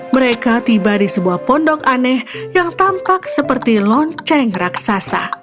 mereka tiba di sebuah pondok aneh yang tampak seperti lonceng raksasa